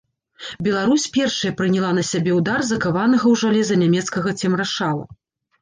Беларусь першая прыняла на сябе ўдар закаванага ў жалеза нямецкага цемрашала.